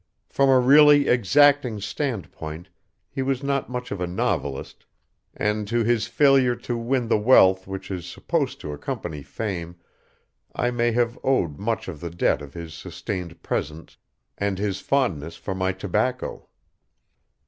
From a really exacting standpoint he was not much of a novelist, and to his failure to win the wealth which is supposed to accompany fame I may have owed much of the debt of his sustained presence and his fondness for my tobacco.